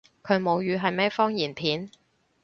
佢母語係咩方言片？